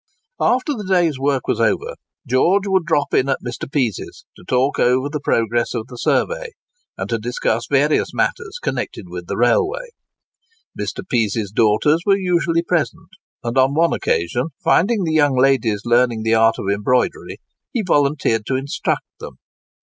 After the day's work was over, George would drop in at Mr. Pease's, to talk over the progress of the survey, and discuss various matters connected with the railway. Mr. Pease's daughters were usually present; and on one occasion, finding the young ladies learning the art of embroidery, he volunteered to instruct them.